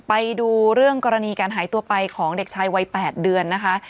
ไปดูเรื่องกรณีการหายตัวไปของเด็กชายวัย๘เดือนนะคะ